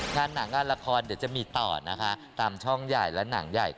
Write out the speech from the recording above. ถ้านังงานละครจะมีต่อตามช่องใหญ่และนังใหญ่